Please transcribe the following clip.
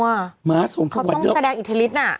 เขาต้องแสดงอิแลนไหวอิเลสน่ะ